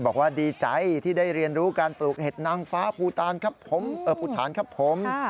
บอกว่าดีใจที่ได้เรียนรู้การปลูกเห็ดนางฟ้าผูถานครับผม